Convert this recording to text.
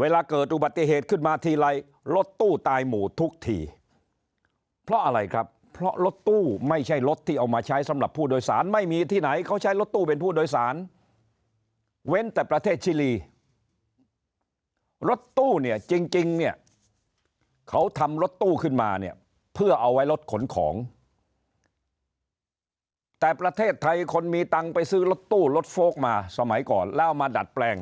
เวลาเกิดอุบัติเหตุขึ้นมาทีไรรถตู้ตายหมู่ทุกทีเพราะอะไรครับเพราะรถตู้ไม่ใช่รถที่เอามาใช้สำหรับผู้โดยสารไม่มีที่ไหนเขาใช้รถตู้เป็นผู้โดยสารเว้นแต่ประเทศชิลีรถตู้เนี่ยจริงเนี่ยเขาทำรถตู้ขึ้นมาเนี่ยเพื่อเอาไว้รถขนของแต่ประเทศไทยคนมีตังค์ไปซื้อรถตู้รถโฟลกมาสมัยก่อนแล้วมาดัดแปลง